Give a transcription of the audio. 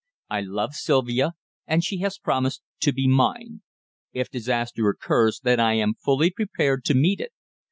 I love Sylvia, and she has promised to be mine. If disaster occurs, then I am fully prepared to meet it.